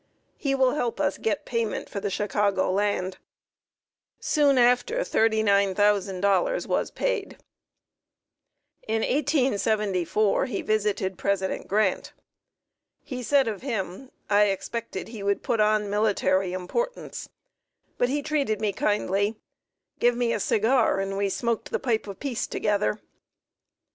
He will help us get payment for Chicago land." Soon after $39,000 was paid. In 1874 he visited President Grant. He said of him: "I expected he would put on military importance, but he treated me kindly, give me a cigar, and we smoked the pipe of peace together."